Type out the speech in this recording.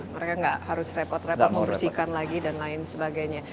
mereka nggak harus repot repot membersihkan lagi dan lain sebagainya